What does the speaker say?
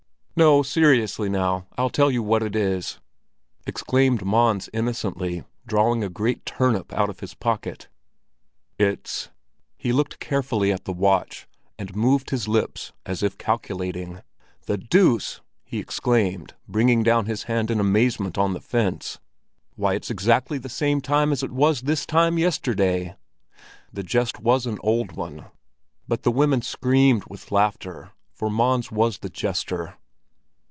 "No, seriously now, I'll tell you what it is," exclaimed Mons innocently, drawing a great "turnip" out of his pocket. "It's—" he looked carefully at the watch, and moved his lips as if calculating. "The deuce!" he exclaimed, bringing down his hand in amazement on the fence. "Why, it's exactly the same time as it was this time yesterday." The jest was an old one, but the women screamed with laughter; for Mons was the jester.